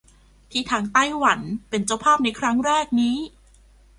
ที่ทางไต้หวันเป็นเจ้าภาพในครั้งแรกนี้